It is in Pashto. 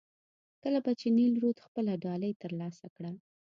کله به چې نیل رود خپله ډالۍ ترلاسه کړه.